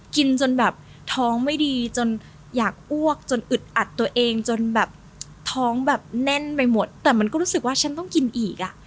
จนแบบท้องไม่ดีจนอยากอ้วกจนอึดอัดตัวเองจนแบบท้องแบบแน่นไปหมดแต่มันก็รู้สึกว่าฉันต้องกินอีกอ่ะ